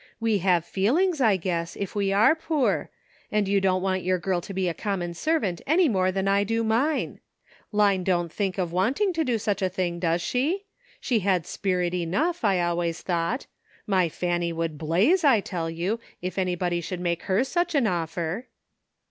We have feelings, I guess, if we are poor; and yoit don't want your girl to be a common servant any more than I do mine. Line don't think ol wanting to do such a thing, does she ? She had spirit enough, I always thought; my Fanny would blaze, 1 tell you, if anybody should make her such an offer."